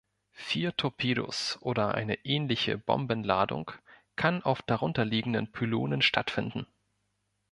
Vier Torpedos oder eine ähnliche Bombenladung kann auf darunterliegenden Pylonen stattfinden.